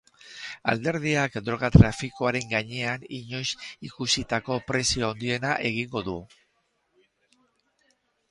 Alderdiak droga-trafikoaren gainean inoiz ikusitako presio handiena egingo du.